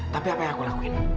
tapi apa yang aku lakuin